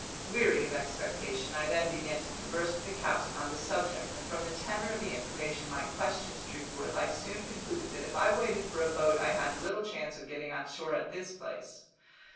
Weary of expectation, I then began to converse with the captain on the subject, and from the tenor of the information my questions drew forth I soon concluded that if I waited for a boat I had little chance of getting on shore at this place.